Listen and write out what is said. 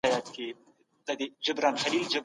د ناروغیو په وړاندې مقاومت ولري.